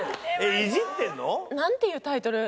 いじってるの？なんていうタイトル。